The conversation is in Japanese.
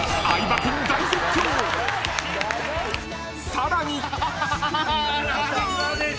［さらに！］